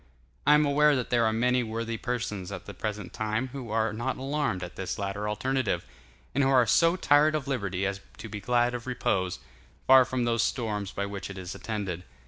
I am aware that there are many worthy persons at the present time who are not alarmed at this latter alternative, and who are so tired of liberty as to be glad of repose, far from those storms by which it is attended.